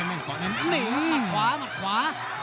มัดขวามัดขวา